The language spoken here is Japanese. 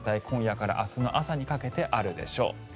今夜から明日の朝にかけてあるでしょう。